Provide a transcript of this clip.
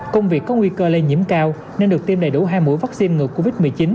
công việc có nguy cơ lây nhiễm cao nên được tiêm đầy đủ hai mũi vaccine ngừa covid một mươi chín